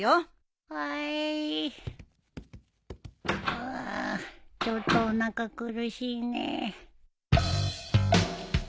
うちょっとおなか苦しいねえ。